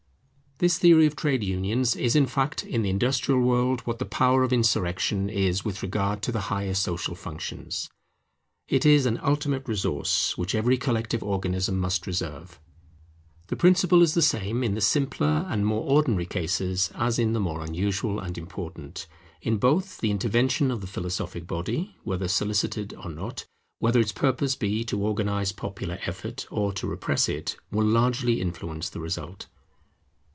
This theory of trade unions is, in fact, in the industrial world, what the power of insurrection is with regard to the higher social functions; it is an ultimate resource which every collective organism must reserve. The principle is the same in the simpler and more ordinary cases as in the more unusual and important. In both the intervention of the philosophic body, whether solicited or not, whether its purpose be to organize popular effort or to repress it, will largely influence the result.